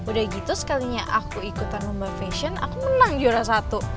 udah gitu sekalinya aku ikutan lomba fashion aku menang juara satu